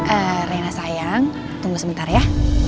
eh rena sayang tunggu sebentar ya